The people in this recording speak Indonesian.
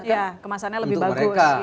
ya kemasannya lebih bagus